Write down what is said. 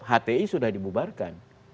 hti sudah dibubarkan